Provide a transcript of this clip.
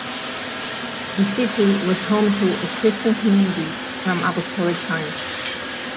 The City was home to a Christian community from Apostolic times.